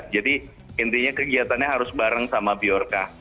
jadi intinya kegiatannya harus bareng sama biorka